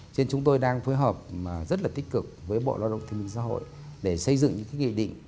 cho nên chúng tôi đang phối hợp rất là tích cực với bộ loan đồng thế giới thế giới để xây dựng những quy định